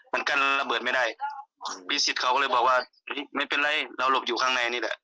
มันกั้นระเบิดไม่ได้พี่สิทธิ์เขาก็เลยบอกว่าไม่เป็นไรเราหลบอยู่ข้างในนี่แหละ